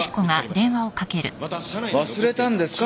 忘れたんですか？